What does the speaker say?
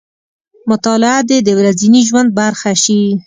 مطالعه دې د ورځني ژوند برخه شي.